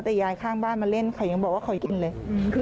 แต่ยายข้างบ้านมาเล่นเขายังบอกว่าเขากินเลย